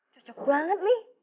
cocok banget nih